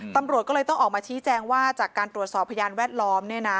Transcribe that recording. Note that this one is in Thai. ตำรวจก็เลยต้องออกมาชี้แจงว่าจากการตรวจสอบพยานแวดล้อมเนี่ยนะ